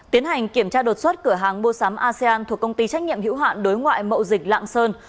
tiến hành kiểm tra đột xuất cửa hàng mua sắm asean thuộc công ty trách nhiệm hữu hạn đối ngoại mậu dịch lạng sơn